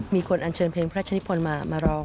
มีคนอัญเชิญเพลงพระชนิภนธ์มาร้อง